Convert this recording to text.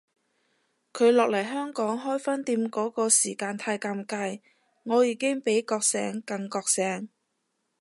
佢落嚟香港開分店嗰個時間太尷尬，我已經比覺醒更覺醒